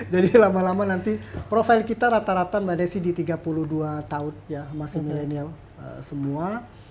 jadi lama lama nanti profil kita rata rata mbak desy di tiga puluh dua tahun ya masih milenial semua